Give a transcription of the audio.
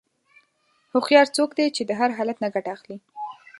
هوښیار څوک دی چې د هر حالت نه ګټه اخلي.